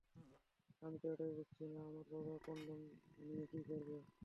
আমি তো এটাই বুঝছি না, আমার বাবা কনডম নিয়ে কী করবে?